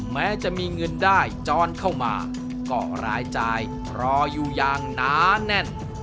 แม้จะมีเงินได้จรเข้ามาก็รายจ่ายรออยู่อย่างหนาแน่น